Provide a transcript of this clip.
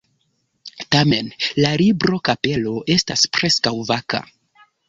Tamen, la libro-kapelo estas preskaŭ vaka.